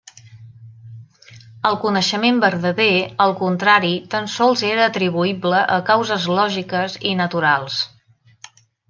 El coneixement verdader, al contrari, tan sols era atribuïble a causes lògiques i naturals.